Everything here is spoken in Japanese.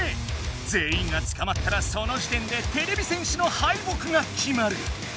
ぜんいんがつかまったらその時点でてれび戦士の敗北がきまる。